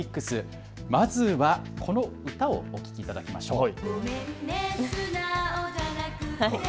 まずはこの歌をお聴きいただきましょう。